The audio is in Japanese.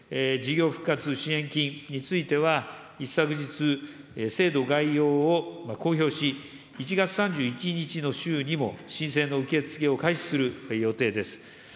事業復活支援金については、一昨日、制度概要を公表し、１月３１日の週にも、申請の受け付けを開始する予定です。